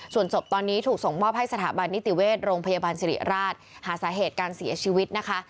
ส่วนศพตอนนี้ถูกส่งมอบให้สถาบันนิติเวชโรงพยาบาลสิริราชหาสาเหตุการเสียชีวิตนะคะ